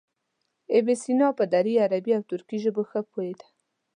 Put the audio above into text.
ابن سینا په دري، عربي او ترکي ژبو ښه پوهېده.